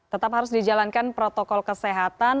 tetap harus dijalankan protokol kesehatan